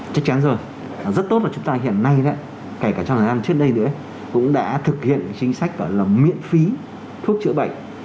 chắc chắn rồi rất tốt là chúng ta hiện nay kể cả trong thời gian trước đây nữa cũng đã thực hiện chính sách miễn phí thuốc chữa bệnh